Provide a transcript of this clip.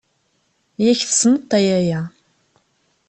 Yak tessneḍ-t a yaya.